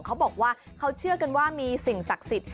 เขาบอกว่าเขาเชื่อกันว่ามีสิ่งศักดิ์สิทธิ